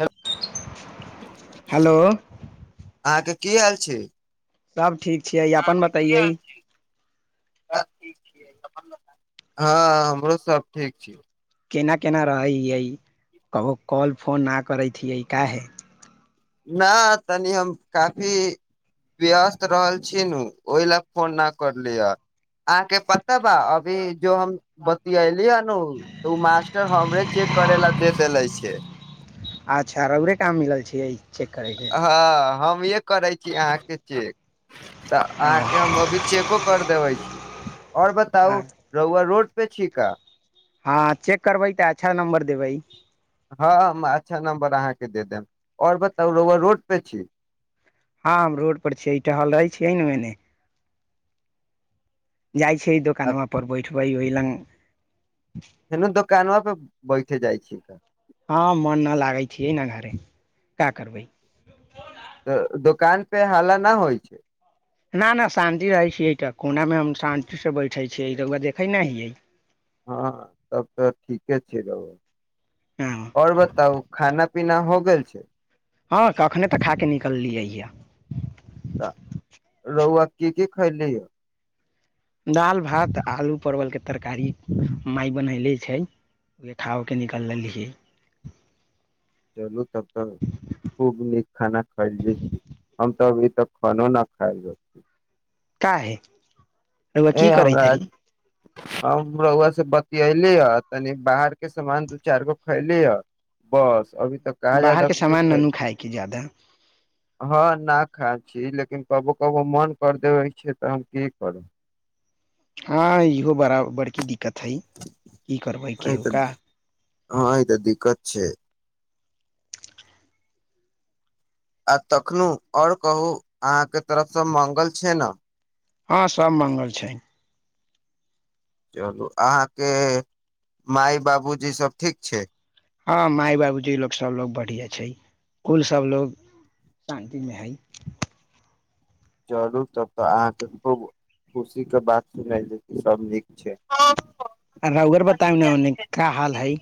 Hello, hello अहाँके की हाल छै सब ठीक छियै अपन बतैयै हँ हमरो सब ठीक छियै केना केना रहै हियै को कॉल फोन नहि करैत हियै काहे नाऽ तनि हम काफी व्यस्त रहल छी नु ओहि लए फोन न करलियह अहाँके पता बा अभी जो हम बत अली हनू तऽ ओ मास्टर हमरे चेक करे लए दे देले छै अच्छा रहुए काम मिलल छै ई चेक करयके हँ हमहे करै छी अहाँके चेक तऽ अहके हँ हम अभी चेको कर देबै छी आओर बताउ रहुआ रोड पे छीका हँ चेक करबै तऽ अच्छा नम्बर देबै हँ अच्छा नम्बर अहाँके दे देब आओर बताउ रहूआ रोड पे छी हँ हम रोड पर छियै टहल रहै छियै ने ओने जाइ छै आ दोकान वहाँ पर बैठबै ओहि लग फेनू दोकानमेपर बैठे जाइ छै का हँ मन नहि लागै छियै ने घरे क्या करबै तऽ दोकान पे हाला नहि होइ छै ना ना शांति रहै छीयै तऽ कोनामे हम शांतिसँ बैठे छियै तऽ ओकरा देखै नहि हियै। हँ तब तऽ ठीके छैय र हँ आओर बताउ खाना पीना हो गेल छैय? हँ कखने तऽ खा कऽ निकललियै ह। तऽ रहुआ की की खयली य? दालि भात आलू परवलके तरकारी माय बनैले छैय। नि खा के निकल लेलीयय ह। चलू तब त खूब नीक खाना खायल छी हम तऽ अभी तक खानो न खायल रहल छी। काहे? रउआ ए की करै हमरा तारी हम रौआ से बतियैली ह तनी बाहरके सामान दू चारि गो खयली ह बस अभी तक कहाँ बाहर जादा के कुछो सामान ननू खैली खाय के ज्यादा। हँ ना खाय छी लेकिन कबो कबो मन कर देबै छैय तऽ हम की करब? हँ इहो बड़ा बड़की दिक्कत हइ की करबै तऽ केहुका। हँ ई तऽ दिक्कत छैय। आ तखनो और कहू अहाँके तरफ सब मंगल छैय ने? हँ सब मंगल छैय। चलू अहाँके माय बाबूजी सब ठीक छैय? हँ माय बाबूजी लोग सब लोग बढ़िया छैय कुल सब लोग शान्तिमे हइ। चरू तब तऽ अहाँके खुब खुशी के बात सुनै सब नीक छैय। रुहूआ बताउ ने ओने क का हाल हय?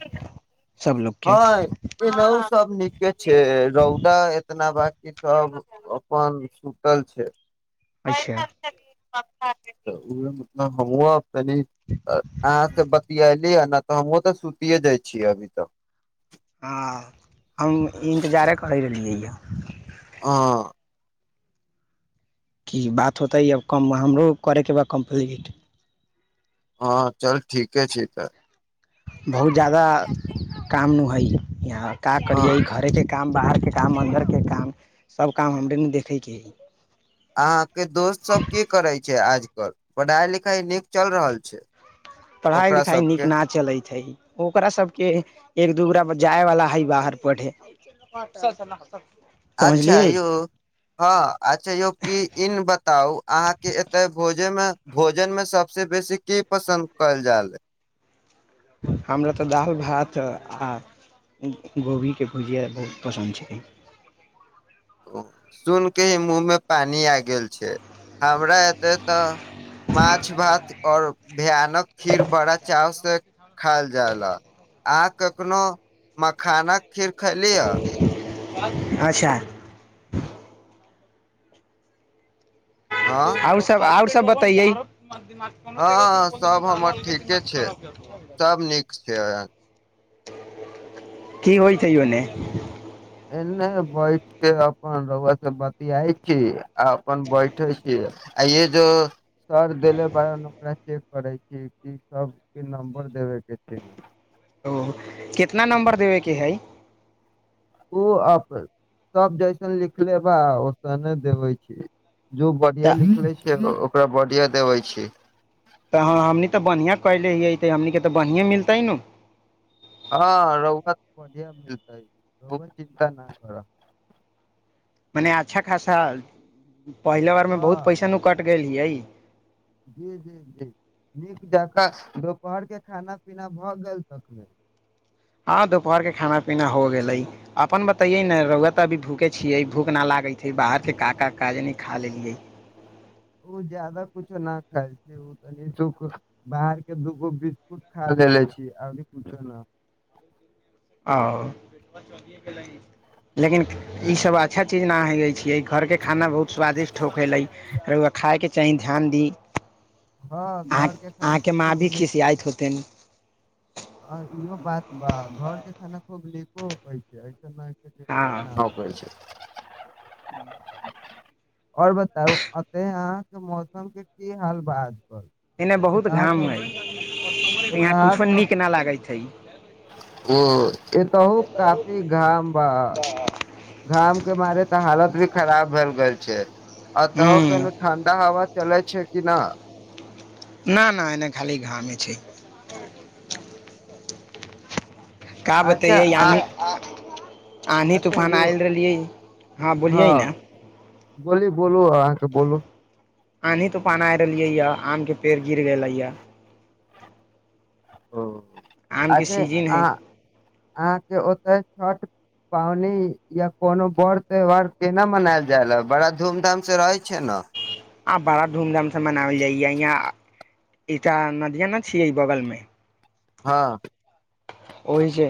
हँ एनाहु सब नीक के छैय रौदा एतना बा ई सब अपन सुतल छैय। अच्छा मतलब हमहुँ आ तनि अहाँ से बतियैलीया ना त तऽ हमहुँ तऽ सुतिए जाइ छियै अभी तऽ। हँ हम इन्तजार करै रहलियै यऽ। हां कि बात होतै आब कम हमरो करैके बा कम्प्लीट। हँ चल ठीके छैय तऽ। बहुत ज्यादा काम न हइ यहाँ काज हँ करियै घरे के काम बाहरके काम अन्दरके काम सब काम हमरे ने देखैके हइ। अहा के दोस्त सब कि करे छैय आज कल पढ़ाई लिखाई नीक चल रहल छैय? पढ़ाइ लिखाइ नीक न चलैत छैय। ओकरा सबके एक दूगरा जाय वला हय बाहर पढ़े। [unintelligible] अच्छा यौ हँ अच्छा यौ कि इन बताउ अहाँके एते भोजन मे भोजन में सबस बेसी कि पसन्द करल जाल? हमरा तऽ दालि भात आ गोभीके भुजिया बहुत पसन्द छैय। सुन कऽ ही मुहमे पानि आबि गेल छैय हमरा एतय तऽ माछ भात और भयानक खीर बड़ा चाव से खायल जाय ला। आ कखनो मखाना खीर खैली ह? अच्छा हँ आओर सब आओर सब बतैयै हँ सब हमर ठीके छै सब नीक छै की होइ छै ओने एने बैठ के अपन रउआ से बतियाई छी आ अपन बैठे छी आ ये जो सर देले बारा ओकरा चेक करै छी जी सबके नम्बर देबे के छै ओ कितना नम्बर देबेके हइ ओ अब सब जैसन लिख लेबा ओसने देबे छी जो बढ़िया तऽ लिखले छै ओकरा बढ़िया देबे छै तऽ हँ हमनी तऽ बढ़िया कले हियै तऽ हमनीके तऽ बढ़िएँ मिलतै नु हँ रहुआत बढ़िया मिलता है र चिन्ता न करऽ मने अच्छा खासा पहिले बार मे बहुत हँ पैसन नकटि गेलियै जी जी जी नीक जकाँ दुपहर के खाना पीना भऽ गेल तखने हँ दोपहर के खाना पीना हो गेलै अपन बतैये ने र‌उआ तऽ अभी भूखे छियै भूख ना लागैत छै बाहर के काका काज नहि खा लेलियै ओ ज्यादा कुछो न खाइ छै तनी बाहर के दूगो बिस्कुट खा लेले छी अी कुछो ने आ लेकिन ई सब अच्छा चीज नहि होइ छियै घरके खाना बहुत स्वादिष्ट हो गेलै आ र‌उआ खायके चाही ध्यान दी हँ अहाँ घरके खाना अहाँके तऽ माँ खूब भी नीक खिसियाइत होतनि आ इहो बात बा घर के खाना खूब नीको होकै छै ऐसन मे हँ आबै छै आओर बताउ अते अहाँके मौसम के की हाल बा एने बहुत घाम हय एतह अहाँ त लागैत हइ ओ एतहु काफी घाम बा घाम के मारे तऽ हालत भी खराब भेल गेल छै अ त‌उ के हूँ ठण्डा हवा चलै छै कि ना ना ना एने खाली घामे छै का अच्छा बतैयए आ यानि आधी अच्छा तूफान यौ आयल रहलियै हँ बोलियै ने बोली बोलू अहाँके बोलू आधि तूफान आ रहलियै या आम के पेड़ गिर गेले या ओ आम के अच्छे सीजन अ है अहाँके ओतऽ छ पावनि या कोनो बड़ त्यौहार केना मनायल जायले बड़ा धूम धाम से रहै छै ने आ बड़ा धूम धाम से मनावल जाइ य यहा एकटा नदिया ने छीये इ बगल में हँ ओहिसँ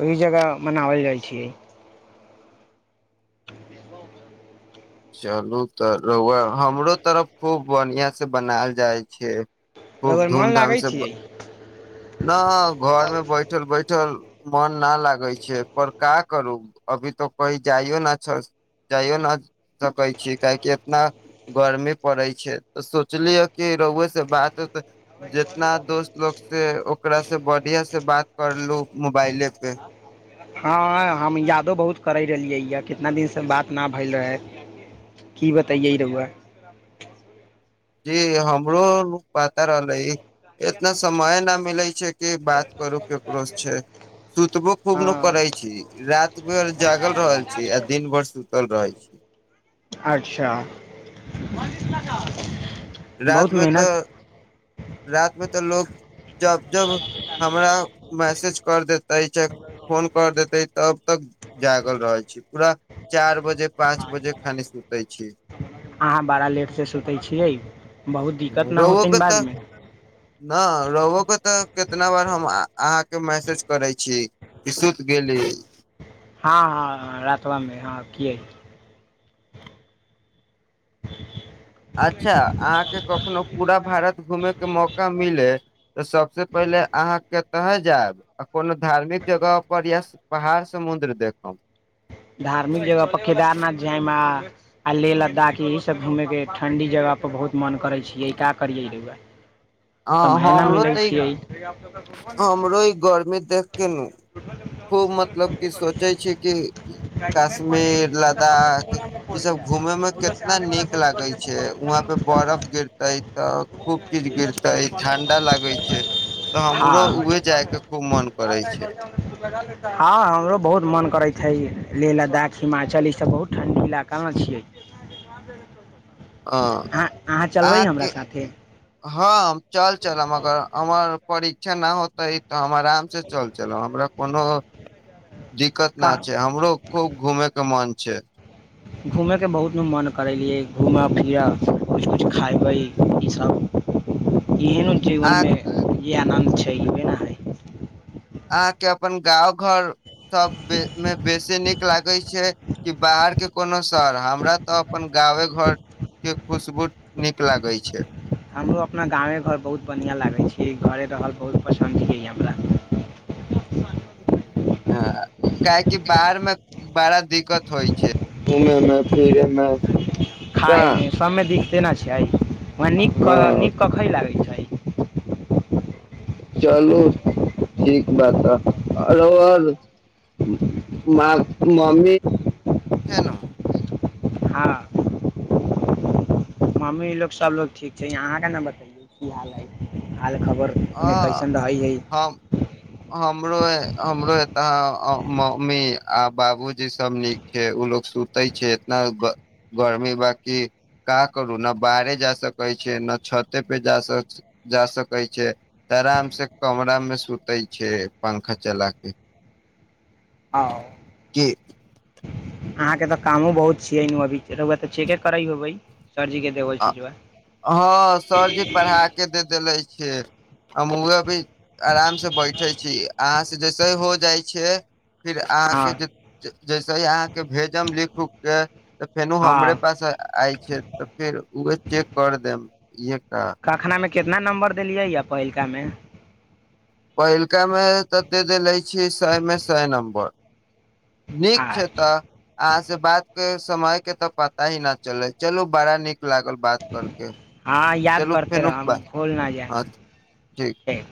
ओहि जगह मनावल जाइ छियै चलू त र‌उआ हमरो तरफ खूब बढ़िया से बनायल जाइ छै खूब रउआ धूम मन धाम लागै से छियै न घर मे बैठल बैठल मोन न लागै छै पर क करू अभी तो की जाइयो न जाइयो न सकै छी काहे कि इतना गर्मी पड़ैत छै तऽ सोचलियै कि र‌उए से बात जितना दोस्त लोग से [unintelligible] ओकरा से बढ़िया से बात करलु मोबाइले पे हँ [inaudible] हँ हम यादो बहुत करे रहलियै य कितना दिनसँ बात न भेल रहे की बतइै र‌उआ जी हमरो न पता रहलै एतना समय न मिलै छै के बात करू केकरो छै सुतबो खूब हँ न करै छी। रात भर जागल रहल छि आ दिन भर सुतल रहै छी। अच्छा बहुत रातमे तऽ मेहनत रात मे तऽ लोग जब जब हमरा मैसेज कर देत तय फोन कर देते तब तक जागल रहल छी पूरा चार बजे पाँच बजे खाली सुतै छी। अहाँ बड़ा लेट से सुतै छियै बहुत दिक्कत न होतय बादमे। हां र‌ओके तऽ कितना बार हम अहाँके मैसेज करैत छी। सुत गेली। हँ हँ रातबामे हँ किए। अच्छा अहाँके कखनो पूरा भारत घुमे के मौका मिले तऽ सबसे पहिले अहाँके कहां जायब कोनो धार्मिक जगह पर या पहाड़ समुद्र देखब? धार्मिक जगह केदारनाथ जायम आ लेह लद्दाख यह सब घूमे के ठंडी जगह पर बहुत मन करै छियै का करियै आ समय ने हमरो मिलै तऽ ई छियै। हमरो ई गर्मी देख के नू खूब मतलब कि सोचै छी कि कश्मीर लद्दाख इ सब घूमे में केितना नीक लागे छै वहं पे बर्फ गिरते त खूब चीज गिरते क ठंडा लागे छैय तऽ हमरो हँ उहे जाय के खूब मन करे छैय। हँ हमरो बहुत मन करैत हइ लेह लद्दाख हिमाचल ई सब बहुत ठण्डी इल कहां छियै हँ अहाँ चलबै हमरा अहाँके साथे? हँ हम चल चलम अगर हमर परीक्षा न होते तऽ हम आराम से चल चलम हमरा कोनो दिक्कत न का छैय हमरो खूब घूमे के मन छैय। घूमेंके बहुत मन करेलियै घूमऽ फिरऽ किछु किुछु खयबै ईसभ एहनो जीवन अहाँ में जे आनन्द छैय ई नहि हइ [unintelligible] अहाँके अपन गाँव घर सब मे बेसी नीक लागे छैय कि बाहर के कोनो दोसर शहर हमरा तऽ अपन गावे घर के खुशबू नीक लागय छैय। हमरो अपना गावमे घर बहुत बढ़िआँ लागै छैय घरे रहल बहुत पसन्द छैय हमरा। हँ काहेकि बाहर मे बड़ा दिक्कत होइ छैय। घुमयमे फिरेमे। खाायमे सभमे दिकते नहि छैय ओ नीक हँ नीक कखै लागैत छैय। चलू ठीक बा त ह आर म मम्मी हँ मम्मी ई लोग सबलोग ठीक छैय अहाँके ने बतैयौ की हाल है हाल खबर ह ओन्ने कैसन रहै हइ हम हमरो हमरो एत मम्मी आ बाबूजी सब नीक के उ लोक सुतै छैय इतना गर्मी बाकी का करू न बाहरे जा सकै छैय न छते पे जा सक जा सकै छैय। त आराम से कमरा मे सुते छैय पंखा चला के आ की अहाँ के तऽ कामो बहुत छियै न अभी रौआ त चेके करै होबै सरजी के आ [unintelligible] हँ सरजी पढ़ा के दे देले छियै हम अभी आरामसँ बैठै छी अहाँसँ जैसे हो जाइ छियै फिर हँ अहाँके जे जैसे ही अहाँके भेजम लिख उख के तऽ फेनू हमरे हँ पास आय छै फेर उह चेक कर देम इहे कह कखना मे कितना नम्बर देलियै यऽ पहिलका मे पहिलका मे तऽ दे देेले छी सय मे सय नम्बर नीक छै आज त अहाँ से बात के समय के तऽ पता ही ना चले चलू बड़ा नीक लागल बात करके हँ याद चलू करते [unintelligible] रहम बा भूल ना हँ ठीक जाए